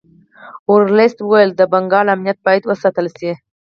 ورلسټ ویل د بنګال امنیت باید وساتل شي.